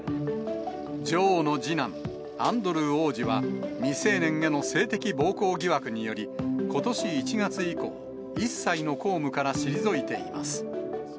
女王の次男、アンドルー王子は、未成年への性的暴行疑惑により、ことし１月以降、一切の公務から退いています。